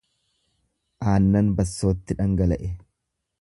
Aannan bassootti dhangala'e.